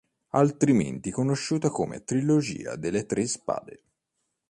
Altrimenti conosciuta come Trilogia delle Tre Spade